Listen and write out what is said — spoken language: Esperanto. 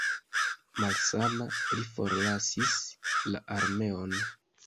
Malsana, li forlasis la armeon.